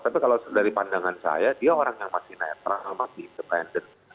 tapi kalau dari pandangan saya dia orang yang masih netral masih independen